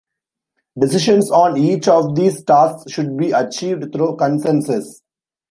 Decisions on each of these tasks should be achieved through consensus.